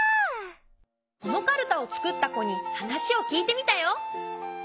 このかるたをつくった子に話を聞いてみたよ。